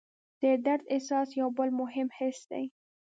د درد احساس یو بل مهم حس دی.